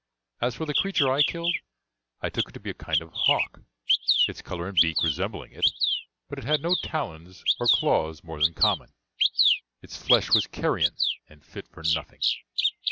As for the creature I killed, I took it to be a kind of hawk, its color and beak resembling it, but it had no talons or claws more than common. Its flesh was carrion, and fit for nothing.